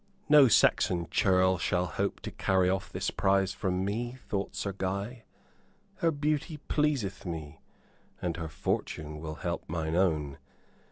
"No Saxon churl shall hope to carry off this prize from me," thought Sir Guy. "Her beauty pleaseth me, and her fortune will help mine own.